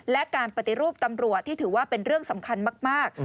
และการปฏิรูปตำรวจที่ถือว่าเป็นเรื่องสำคัญมาก